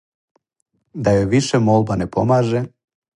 Да јој више молба не помаже,